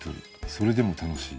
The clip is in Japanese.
「それでも楽しい」